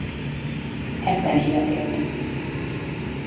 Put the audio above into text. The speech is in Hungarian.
Hetven évet élt.